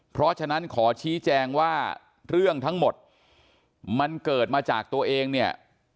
เพราะฉะนั้นขอชี้แจงว่าเรื่องทั้งหมดมันเกิดมาจากตัวเองเนี่ย